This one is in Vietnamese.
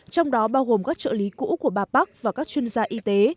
trong đó bao gồm các trợ lý cũ của bà park và các chuyên gia y tế